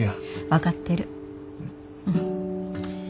分かってる。